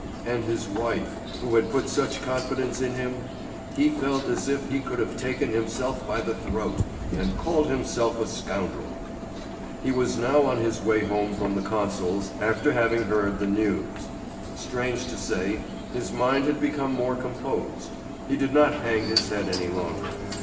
And his wife, who had put such confidence in him? He felt as if he could have taken himself by the throat and called himself a scoundrel. He was now on his way home from the consul's after having heard the "news." Strange to say, his mind had become more composed. He did not hang his head any longer.